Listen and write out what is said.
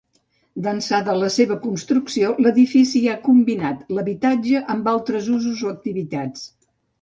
D'ençà de la seva construcció, l'edifici ha combinat l'habitatge amb altres usos o activitats.